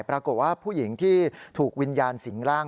ปรากฏว่าผู้หญิงที่ถูกวิญญาณสิงร่าง